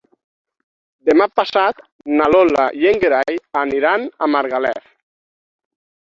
Demà passat na Lola i en Gerai aniran a Margalef.